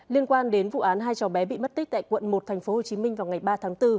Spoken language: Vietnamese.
liên quan đến vụ án hai chó bé bị mất tích tại quận một tp hồ chí minh vào ngày ba tháng bốn